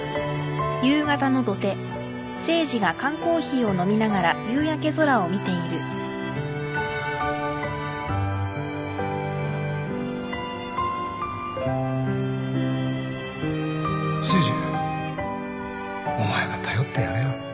誠治お前が頼ってやれよ